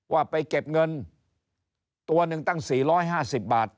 ว่าไปเก็บเงินตัวหนึ่งตั้ง๔๕๐บาท